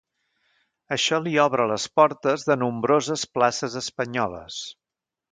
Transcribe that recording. Això li obre les portes de nombroses places espanyoles.